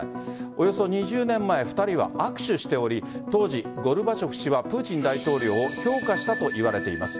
およそ２０年前２人は握手しており当時、ゴルバチョフ氏はプーチン大統領を評価したといわれています。